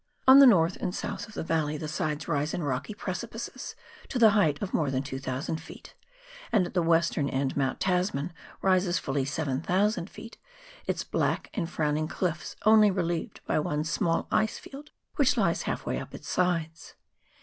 On the north and south of the valley the sides rise in rocky precipices to the height of more than 2,000 ft., and at the eastern end Mount Tasman rises fully 7,000 ft., its black and frowning cliffs only relieved by one small ice field which lies half way up its sides.